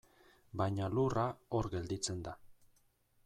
Baina lurra, hor gelditzen da.